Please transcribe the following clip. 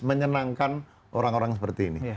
menyenangkan orang orang seperti ini